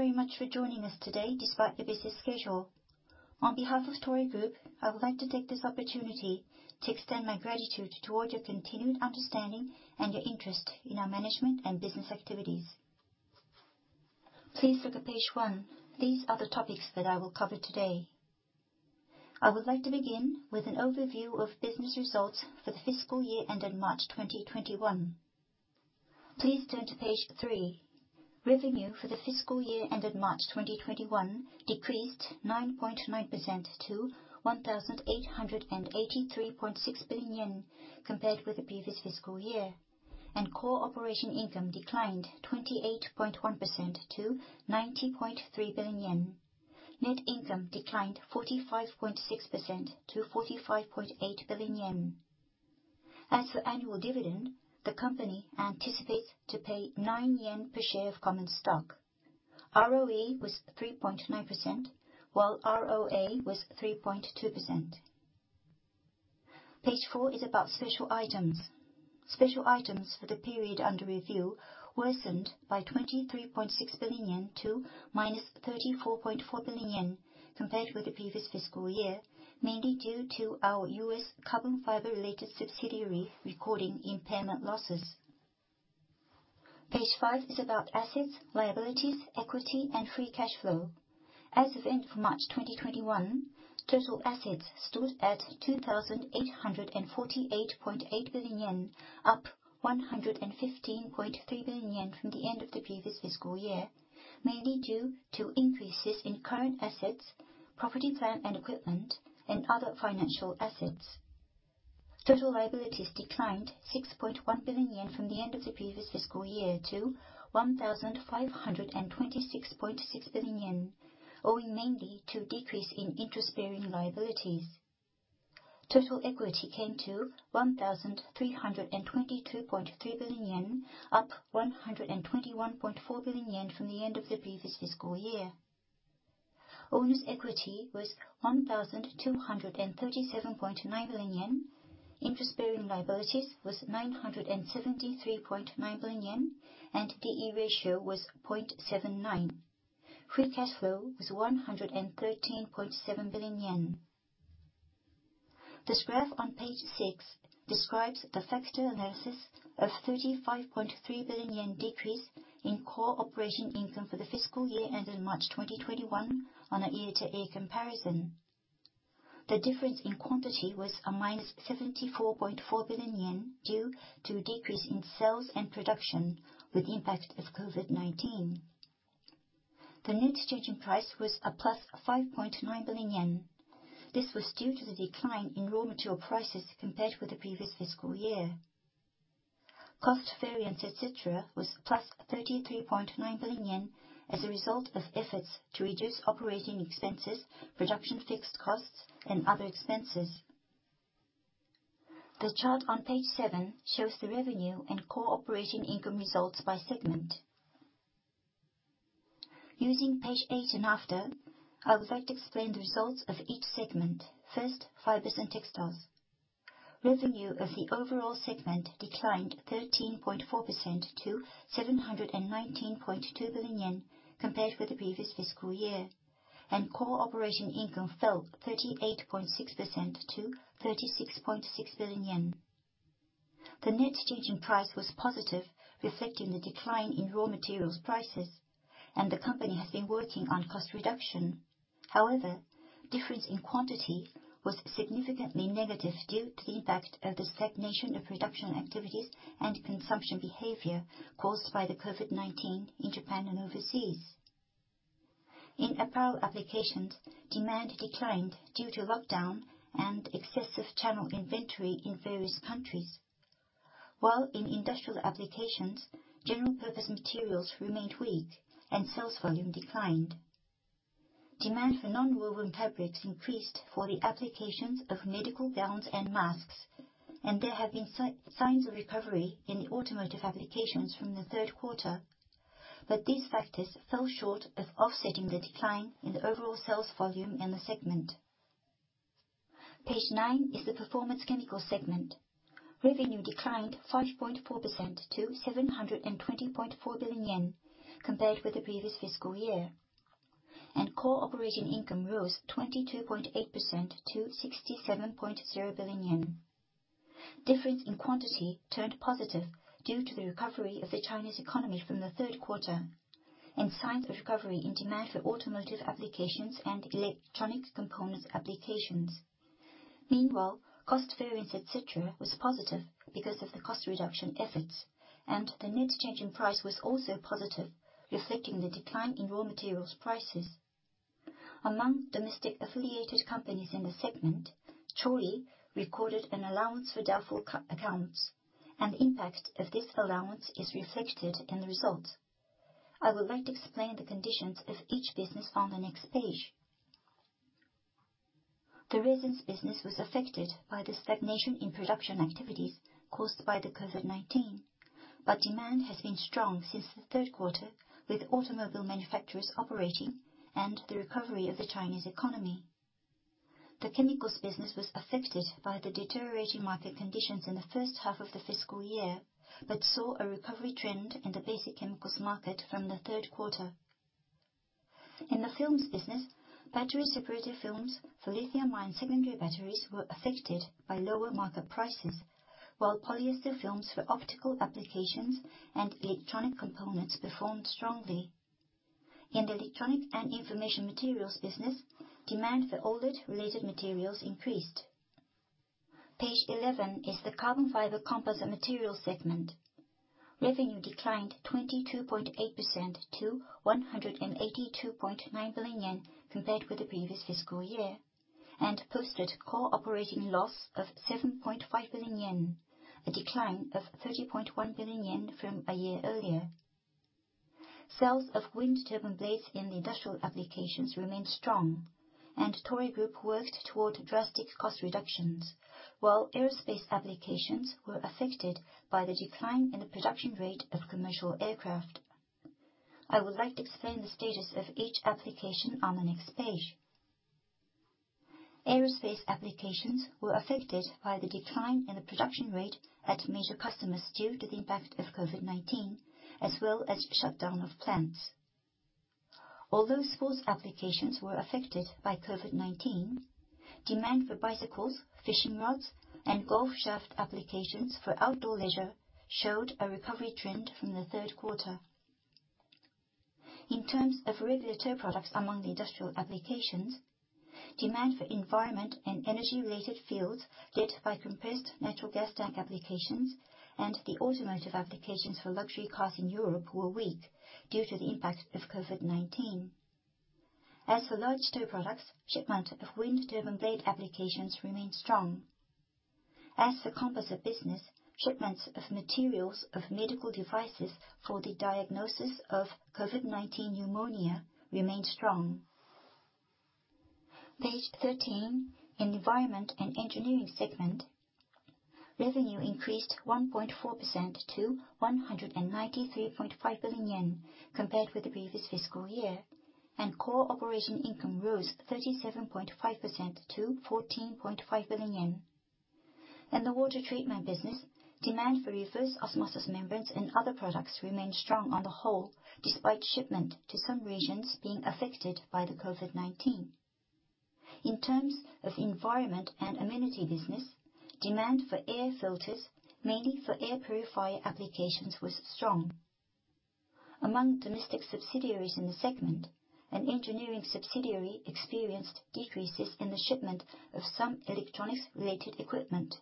Thank you very much for joining us today despite your busy schedule. On behalf of Toray Group, I would like to take this opportunity to extend my gratitude towards your continued understanding and your interest in our management and business activities. Please look at page one. These are the topics that I will cover today. I would like to begin with an overview of business results for the fiscal year ended March 2021. Please turn to page three. Revenue for the fiscal year ended March 2021 decreased 9.9% to 1,883.6 billion yen compared with the previous fiscal year. Core operating income declined 28.1% to 90.3 billion yen. Net income declined 45.6% to 45.8 billion yen. As for annual dividend, the company anticipates to pay 9 yen per share of common stock. ROE was 3.9%, while ROA was 3.2%. Page four is about special items. Special items for the period under review worsened by 23.6 billion yen to -34.4 billion yen compared with the previous fiscal year, mainly due to our U.S. carbon fiber-related subsidiary recording impairment losses. Page five is about assets, liabilities, equity, and free cash flow. As of end of March 2021, total assets stood at 2,848.8 billion yen, up 115.3 billion yen from the end of the previous fiscal year, mainly due to increases in current assets, property, plant, and equipment, and other financial assets. Total liabilities declined 6.1 billion yen from the end of the previous fiscal year to 1,526.6 billion yen, owing mainly to decrease in interest-bearing liabilities. Total equity came to 1,322.3 billion yen, up 121.4 billion yen from the end of the previous fiscal year. Owner's equity was 1,237.9 billion yen, interest-bearing liabilities was 973.9 billion yen, and D/E ratio was 0.79. Free cash flow was 113.7 billion yen. This graph on page six describes the factor analysis of 35.3 billion yen decrease in core operating income for the fiscal year ended March 2021 on a year-to-year comparison. The difference in quantity was -74.4 billion yen due to a decrease in sales and production with the impact of COVID-19. The net exchanging price was +5.9 billion yen. This was due to the decline in raw material prices compared with the previous fiscal year. Cost variance, et cetera, was +33.9 billion yen as a result of efforts to reduce operating expenses, production fixed costs, and other expenses. The chart on page seven shows the revenue and core operating income results by segment. Using page eight and after, I would like to explain the results of each segment. First, fibers and textiles. Revenue of the overall segment declined 13.4% to 719.2 billion yen compared with the previous fiscal year, core operating income fell 38.6% to 36.6 billion yen. The net exchanging price was positive, reflecting the decline in raw materials prices, and the company has been working on cost reduction. Difference in quantity was significantly negative due to the impact of the stagnation of production activities and consumption behavior caused by the COVID-19 in Japan and overseas. In apparel applications, demand declined due to lockdown and excessive channel inventory in various countries. In industrial applications, general purpose materials remained weak and sales volume declined. Demand for nonwoven fabrics increased for the applications of medical gowns and masks, and there have been signs of recovery in the automotive applications from the third quarter. These factors fell short of offsetting the decline in the overall sales volume in the segment. Page nine is the Performance Chemical segment. Revenue declined 5.4% to 720.4 billion yen compared with the previous fiscal year. Core operating income rose 22.8% to 67.0 billion yen. Difference in quantity turned positive due to the recovery of the Chinese economy from the third quarter and signs of recovery in demand for automotive applications and electronic components applications. Meanwhile, cost variance, et cetera, was positive because of the cost reduction efforts, and the net exchanging price was also positive, reflecting the decline in raw materials prices. Among domestic affiliated companies in the segment, Chori recorded an allowance for doubtful accounts. Impact of this allowance is reflected in the results. I would like to explain the conditions of each business on the next page. The resins business was affected by the stagnation in production activities caused by the COVID-19, but demand has been strong since the third quarter with automobile manufacturers operating and the recovery of the Chinese economy. The chemicals business was affected by the deteriorating market conditions in the first half of the fiscal year, but saw a recovery trend in the basic chemicals market from the third quarter. In the films business, battery separator films for lithium-ion secondary batteries were affected by lower market prices, while polyester films for optical applications and electronic components performed strongly. In the electronic and information materials business, demand for OLED-related materials increased. Page 11 is the carbon fiber composite materials segment. Revenue declined 22.8% to 182.9 billion yen compared with the previous fiscal year, and posted core operating loss of 7.5 billion yen, a decline of 30.1 billion yen from a year earlier. Sales of wind turbine blades in the industrial applications remained strong, and Toray Group worked toward drastic cost reductions. While aerospace applications were affected by the decline in the production rate of commercial aircraft. I would like to explain the status of each application on the next page. Aerospace applications were affected by the decline in the production rate at major customers due to the impact of COVID-19, as well as shutdown of plants. Although sports applications were affected by COVID-19, demand for bicycles, fishing rods, and golf shaft applications for outdoor leisure showed a recovery trend from the third quarter. In terms of regular tow products among the industrial applications, demand for environment and energy-related fields led by compressed natural gas tank applications and the automotive applications for luxury cars in Europe were weak due to the impact of COVID-19. As for large tow products, shipment of wind turbine blade applications remained strong. As for composite business, shipments of materials of medical devices for the diagnosis of COVID-19 pneumonia remained strong. Page 13, Environment & Engineering segment. Revenue increased 1.4% to 193.5 billion yen compared with the previous fiscal year, and core operating income rose 37.5% to 14.5 billion yen. In the water treatment business, demand for reverse osmosis membranes and other products remained strong on the whole, despite shipment to some regions being affected by the COVID-19. In terms of environment and amenity business, demand for air filters, mainly for air purifier applications, was strong. Among domestic subsidiaries in the segment, an engineering subsidiary experienced decreases in the shipment of some electronics-related equipment.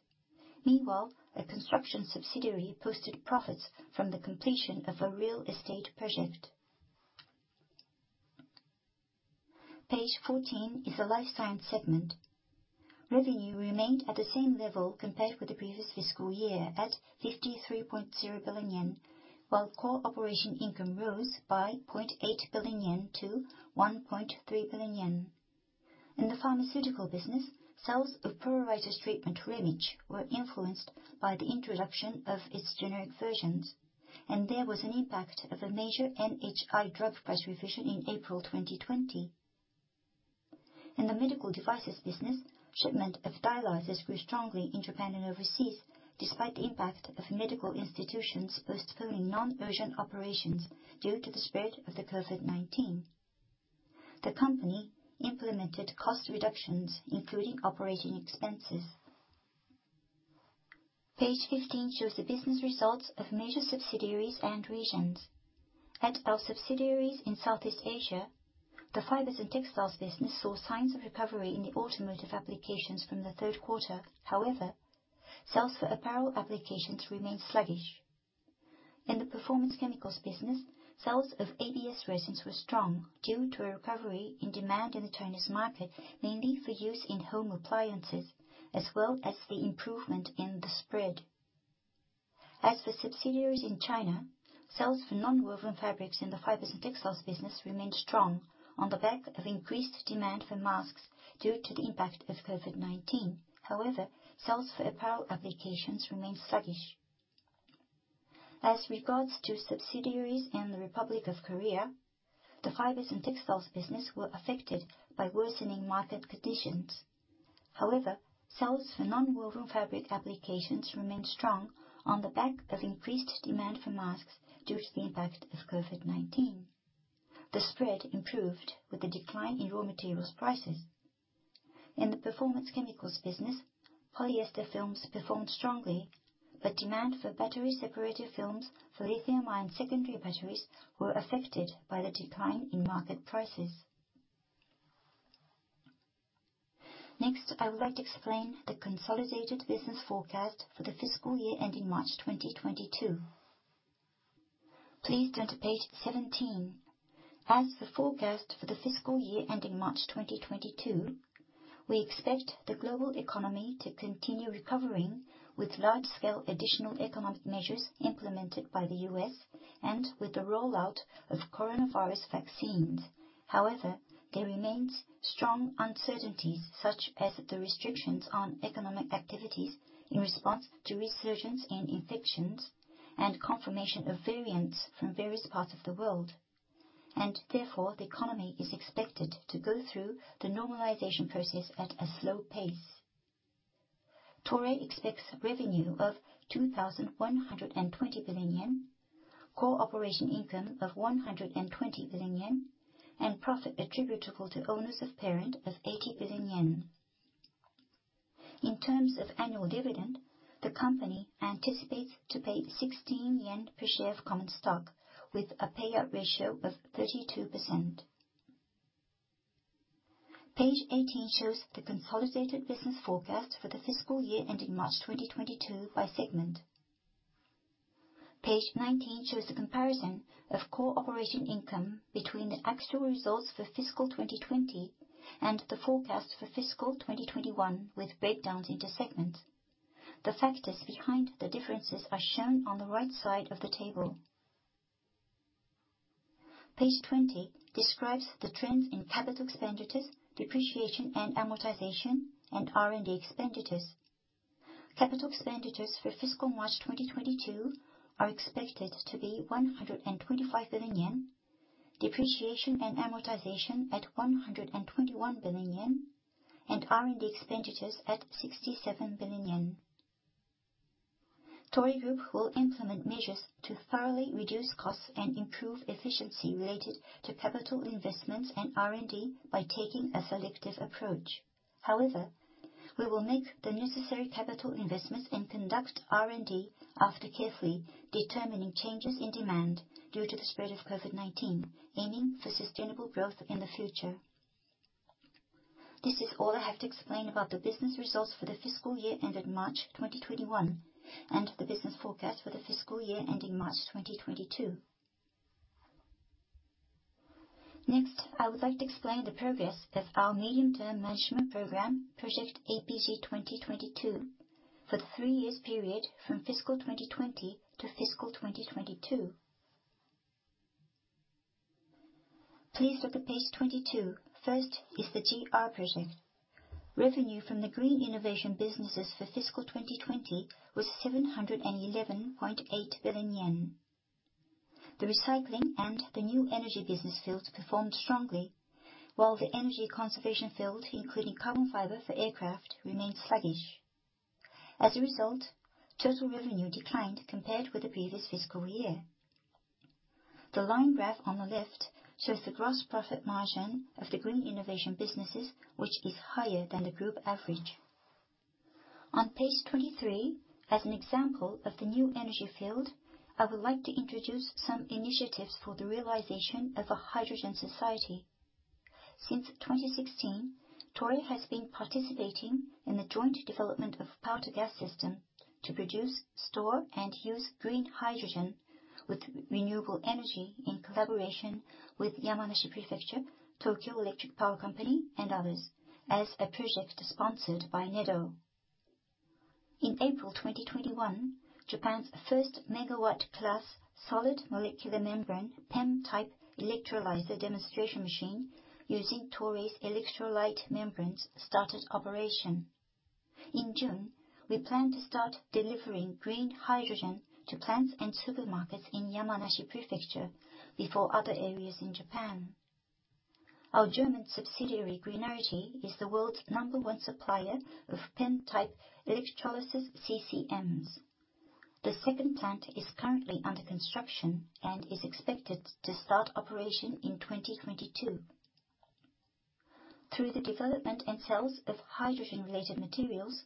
Meanwhile, a construction subsidiary posted profits from the completion of a real estate project. Page 14 is the Life Science segment. Revenue remained at the same level compared with the previous fiscal year at 53.0 billion yen, while core operating income rose by 0.8 billion-1.3 billion yen. In the pharmaceutical business, sales of pruritus treatment REMITCH were influenced by the introduction of its generic versions, and there was an impact of a major NHI drug price revision in April 2020. In the medical devices business, shipment of dialyzers grew strongly in Japan and overseas, despite the impact of medical institutions postponing non-urgent operations due to the spread of the COVID-19. The company implemented cost reductions, including operating expenses. Page 15 shows the business results of major subsidiaries and regions. At our subsidiaries in Southeast Asia, the fibers and textiles business saw signs of recovery in the automotive applications from the third quarter. However, sales for apparel applications remained sluggish. In the performance chemicals business, sales of ABS resins were strong due to a recovery in demand in the Chinese market, mainly for use in home appliances, as well as the improvement in the spread. As for subsidiaries in China, sales for nonwoven fabrics in the fibers and textiles business remained strong on the back of increased demand for masks due to the impact of COVID-19. Sales for apparel applications remained sluggish. As regards to subsidiaries in the Republic of Korea, the fibers and textiles business were affected by worsening market conditions. Sales for nonwoven fabric applications remained strong on the back of increased demand for masks due to the impact of COVID-19. The spread improved with the decline in raw materials prices. In the performance chemicals business, polyester films performed strongly, but demand for battery separator films for lithium-ion secondary batteries were affected by the decline in market prices. Next, I would like to explain the consolidated business forecast for the fiscal year ending March 2022. Please turn to page 17. As for forecast for the fiscal year ending March 2022, we expect the global economy to continue recovering with large-scale additional economic measures implemented by the U.S. and with the rollout of coronavirus vaccines. However, there remains strong uncertainties, such as the restrictions on economic activities in response to resurgence in infections and confirmation of variants from various parts of the world. Therefore, the economy is expected to go through the normalization process at a slow pace. Toray expects revenue of 2,120 billion yen, core operating income of 120 billion yen, and profit attributable to owners of parent of 80 billion yen. In terms of annual dividend, the company anticipates to pay 16 yen per share of common stock with a payout ratio of 32%. Page 18 shows the consolidated business forecast for the fiscal year ending March 2022 by segment. Page 19 shows a comparison of core operating income between the actual results for fiscal 2020 and the forecast for fiscal 2021 with breakdowns into segments. The factors behind the differences are shown on the right side of the table. Page 20 describes the trends in capital expenditures, depreciation and amortization, and R&D expenditures. Capital expenditures for fiscal March 2022 are expected to be 125 billion yen, depreciation and amortization at 121 billion yen, and R&D expenditures at 67 billion yen. Toray Group will implement measures to thoroughly reduce costs and improve efficiency related to capital investments and R&D by taking a selective approach. However, we will make the necessary capital investments and conduct R&D after carefully determining changes in demand due to the spread of COVID-19, aiming for sustainable growth in the future. This is all I have to explain about the business results for the fiscal year ending March 2021 and the business forecast for the fiscal year ending March 2022. Next, I would like to explain the progress of our medium-term management program, Project AP-G 2022, for the three years period from fiscal 2020 to fiscal 2022. Please look at page 22. First is the GR Project. Revenue from the green innovation businesses for fiscal 2020 was 711.8 billion yen. The recycling and the new energy business fields performed strongly, while the energy conservation field, including carbon fiber for aircraft, remained sluggish. Total revenue declined compared with the previous fiscal year. The line graph on the left shows the gross profit margin of the green innovation businesses, which is higher than the group average. On page 23, as an example of the new energy field, I would like to introduce some initiatives for the realization of a hydrogen society. Since 2016, Toray has been participating in the joint development of power-to-gas system to produce, store and use green hydrogen with renewable energy in collaboration with Yamanashi Prefecture, Tokyo Electric Power Company and others as a project sponsored by NEDO. In April 2021, Japan's first megawatt-plus solid polymer membrane, PEM-type electrolyzer demonstration machine using Toray's electrolyte membranes started operation. In June, we plan to start delivering green hydrogen to plants and supermarkets in Yamanashi Prefecture before other areas in Japan. Our German subsidiary, Greenerity, is the world's number one supplier of PEM-type electrolysis CCMs. The second plant is currently under construction and is expected to start operation in 2022. Through the development and sales of hydrogen-related materials,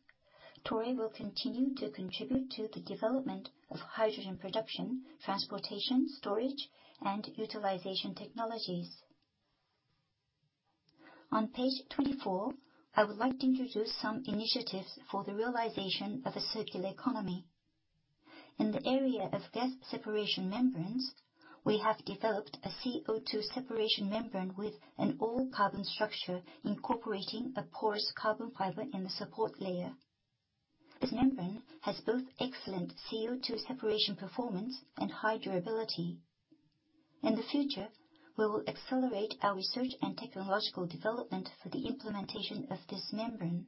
Toray will continue to contribute to the development of hydrogen production, transportation, storage, and utilization technologies. On page 24, I would like to introduce some initiatives for the realization of a circular economy. In the area of gas separation membranes, we have developed a CO2 separation membrane with an all-carbon structure incorporating a porous carbon fiber in the support layer. This membrane has both excellent CO2 separation performance and high durability. In the future, we will accelerate our research and technological development for the implementation of this membrane.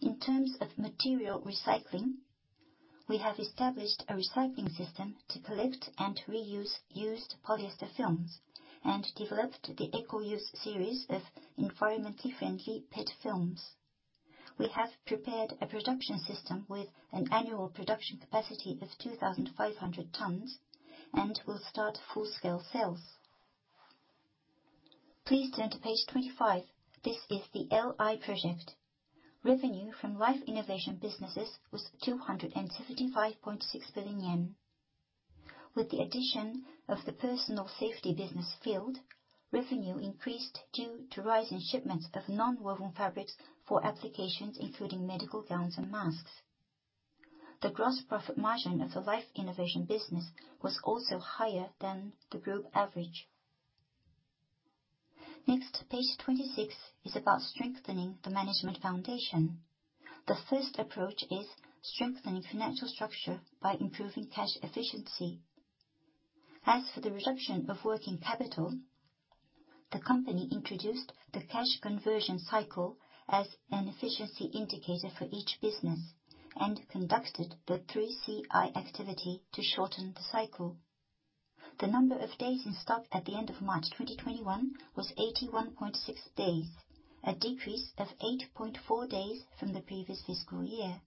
In terms of material recycling, we have established a recycling system to collect and reuse used polyester films and developed the ECOUSE series of environmentally friendly PET films. We have prepared a production system with an annual production capacity of 2,500 tons and will start full-scale sales. Please turn to page 25. This is the LI Project. Revenue from Life Innovation business was 255.6 billion yen. With the addition of the personal safety business field, revenue increased due to rise in shipments of nonwoven fabrics for applications including medical gowns and masks. The gross profit margin of the Life Innovation Business was also higher than the group average. Page 26 is about strengthening the management foundation. The first approach is strengthening financial structure by improving cash efficiency. As for the reduction of working capital. The company introduced the Cash Conversion Cycle as an efficiency indicator for each business and conducted the 3C activity to shorten the cycle. The number of days in stock at the end of March 2021 was 81.6 days, a decrease of eight point four days from the previous fiscal year.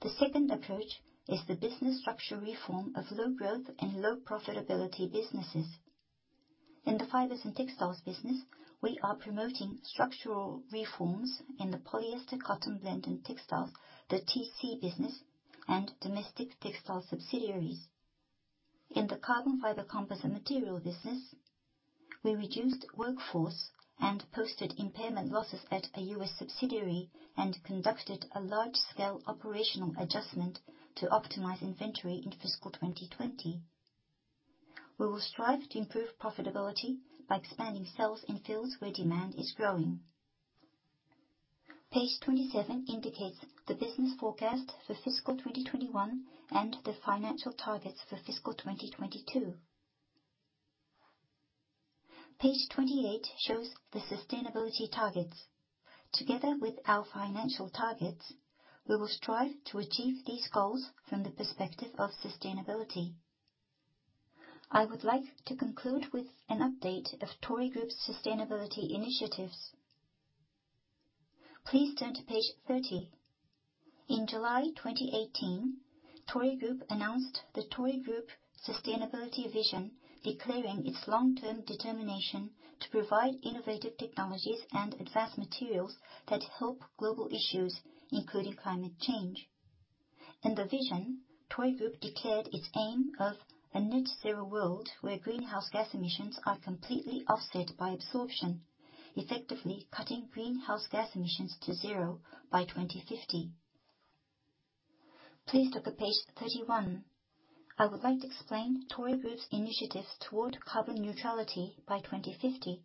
The second approach is the business structure reform of low-growth and low-profitability businesses. In the fibers and textiles business, we are promoting structural reforms in the polyester cotton blend and textiles, the TC business, and domestic textile subsidiaries. In the carbon fiber composite material business, we reduced workforce and posted impairment losses at a U.S. subsidiary and conducted a large-scale operational adjustment to optimize inventory in fiscal 2020. We will strive to improve profitability by expanding sales in fields where demand is growing. Page 27 indicates the business forecast for fiscal 2021 and the financial targets for fiscal 2022. Page 28 shows the sustainability targets. Together with our financial targets, we will strive to achieve these goals from the perspective of sustainability. I would like to conclude with an update of Toray Group's sustainability initiatives. Please turn to page 30. In July 2018, Toray Group announced the Toray Group Sustainability Vision, declaring its long-term determination to provide innovative technologies and advanced materials that help global issues, including climate change. In the vision, Toray Group declared its aim of a net-zero world where greenhouse gas emissions are completely offset by absorption, effectively cutting greenhouse gas emissions to zero by 2050. Please look at page 31. I would like to explain Toray Group's initiatives toward carbon neutrality by 2050.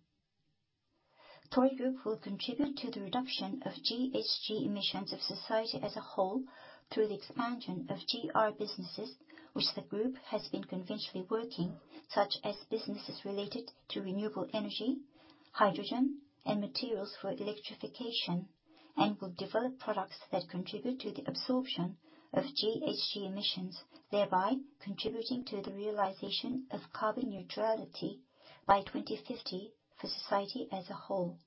Toray Group will contribute to the reduction of GHG emissions of society as a whole through the expansion of GR businesses, which the group has been conventionally working, such as businesses related to renewable energy, hydrogen, and materials for electrification, and will develop products that contribute to the absorption of GHG emissions, thereby contributing to the realization of carbon neutrality by 2050 for society as a whole.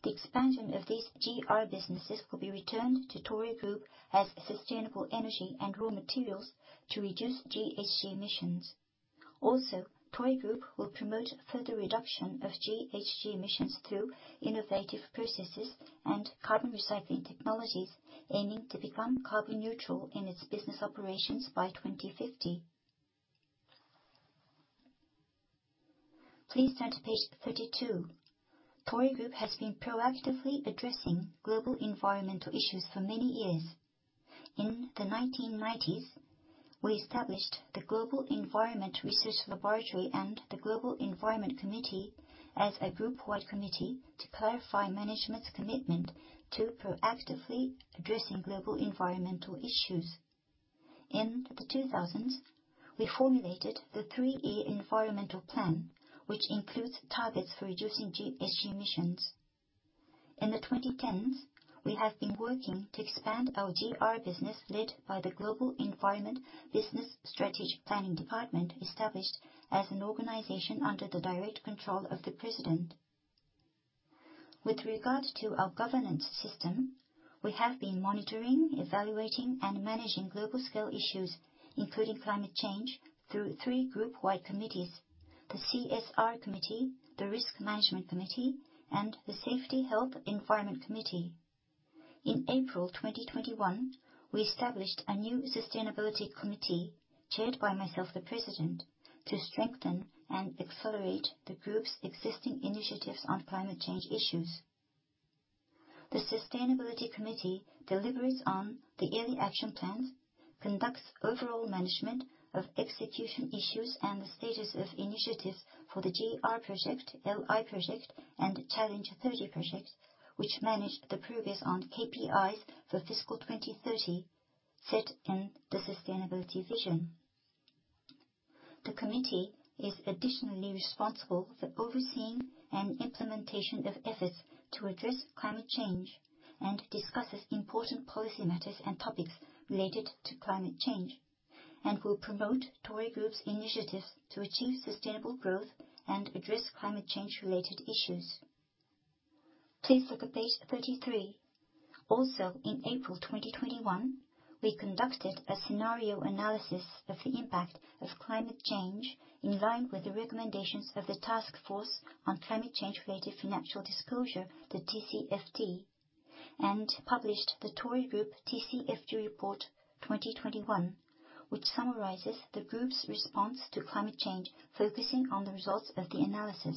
The expansion of these GR businesses will be returned to Toray Group as sustainable energy and raw materials to reduce GHG emissions. Toray Group will promote further reduction of GHG emissions through innovative processes and carbon recycling technologies, aiming to become carbon neutral in its business operations by 2050. Please turn to page 32. Toray Group has been proactively addressing global environmental issues for many years. In the 1990s, we established the Global Environment Research Laboratories and the Global Environment Committee as a group-wide committee to clarify management's commitment to proactively addressing global environmental issues. In the 2000s, we formulated the Three-Year Environmental Plan, which includes targets for reducing GHG emissions. In the 2010s, we have been working to expand our GR business led by the Global Environment Business Strategy Planning Department, established as an organization under the direct control of the president. With regard to our governance system, we have been monitoring, evaluating, and managing global-scale issues, including climate change, through three group-wide committees: the CSR Committee, the Risk Management Committee, and the Safety, Health, and Environment Committee. In April 2021, we established a new sustainability committee chaired by myself, the president, to strengthen and accelerate the group's existing initiatives on climate change issues. The Sustainability Committee deliberates on the yearly action plans, conducts overall management of execution issues and the status of initiatives for the GR project, LI project, and Challenge 30 Project, which manage the progress on KPIs for fiscal 2030 set in the Sustainability Vision. The committee is additionally responsible for overseeing and implementation of efforts to address climate change and discusses important policy matters and topics related to climate change and will promote Toray Group's initiatives to achieve sustainable growth and address climate change-related issues. Please look at page 33. In April 2021, we conducted a scenario analysis of the impact of climate change in line with the recommendations of the Task Force on Climate-related Financial Disclosures, the TCFD, and published the Toray Group TCFD Report 2021, which summarizes the group's response to climate change, focusing on the results of the analysis.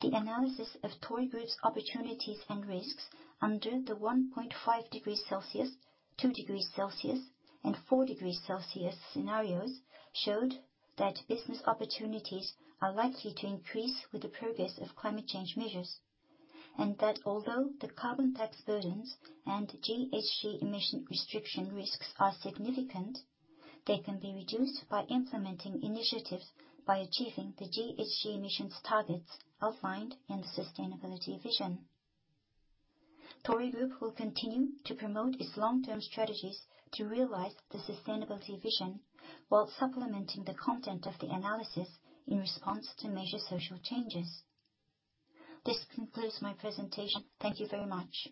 The analysis of Toray Group's opportunities and risks under the one point five degrees Celsius, two degrees Celsius, and four degrees Celsius scenarios showed that business opportunities are likely to increase with the progress of climate change measures and that although the carbon tax burdens and GHG emission restriction risks are significant, they can be reduced by implementing initiatives by achieving the GHG emissions targets outlined in the Sustainability Vision. Toray Group will continue to promote its long-term strategies to realize the Sustainability Vision while supplementing the content of the analysis in response to major social changes. This concludes my presentation. Thank you very much.